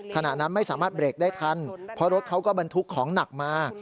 ขณะนั้นไม่สามารถเบรกได้ทันเพราะรถเขาก็บรรทุกของหนักมา